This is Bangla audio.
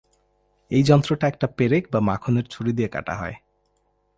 এই যন্ত্রটা একটা পেরেক বা মাখনের ছুরি দিয়ে কাটা হয়।